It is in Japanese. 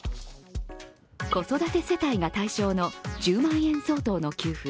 子育て世帯が対象の１０万円相当の給付。